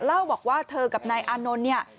เล่าบอกว่าเธอกับนายอานนท์เนี่ย